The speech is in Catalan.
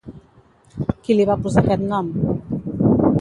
Qui li va posar aquest nom?